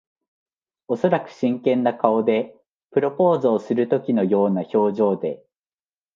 おそらく真剣な顔で。プロポーズをするときのような表情で。